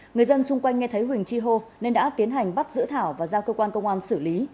người dân xung quanh nghe thấy huỳnh chi hô nên đã tiến hành bắt giữa thảo và giao cơ quan công an xử lý